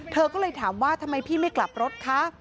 เธอก็เลยถามว่าทำไมพี่ไม่กลับรถคะ